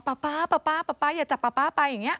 ป๊าป๊าป๊าป๊าป๊าป๊าอย่าจับป๊าป๊าไปอย่างนี้